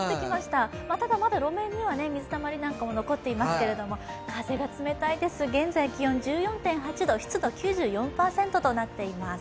ただ路面には水もまだ残っていますけれども、風が冷たいです、現在気温、１４．８度湿度９４％となっています。